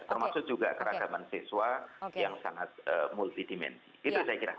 termasuk juga keragaman siswa yang sangat multidimensi itu saya kira